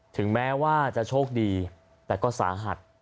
ถึงแม้ว่าจะโชคดีแต่ก็สาหัส